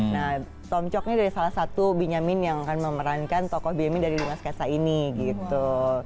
nah tom coknya dari salah satu benyamin yang akan memerankan tokoh beamin dari lima sketsa ini gitu